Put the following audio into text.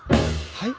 はい？